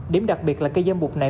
điểm đặc biệt là cây dâm bục này